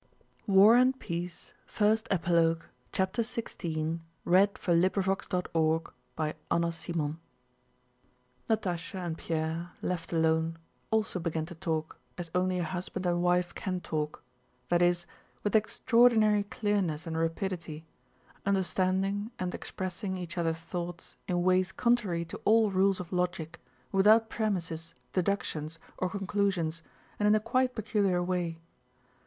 and placing himself before the icon he began to say his evening prayers. CHAPTER XVI Natásha and Pierre, left alone, also began to talk as only a husband and wife can talk, that is, with extraordinary clearness and rapidity, understanding and expressing each other's thoughts in ways contrary to all rules of logic, without premises, deductions, or conclusions, and in a quite peculiar way.